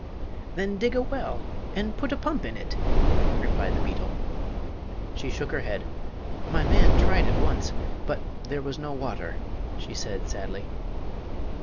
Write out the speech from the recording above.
"Then dig a well and put a pump in it," replied the beetle. She shook her head. "My man tried it once; but there was no water," she said, sadly.